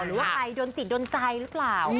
หรือว่าใครโดนจิตโดนใจหรือเปล่า